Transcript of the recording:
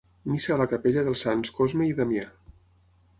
Missa a la capella dels sants Cosme i Damià.